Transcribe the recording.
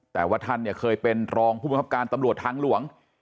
แต่ว่าท่านเนี่ยเคยเป็นรองผู้บังคับการตำรวจทางหลวง